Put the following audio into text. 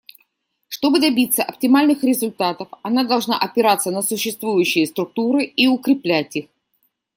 Чтобы добиться оптимальных результатов, она должна опираться на существующие структуры и укреплять их.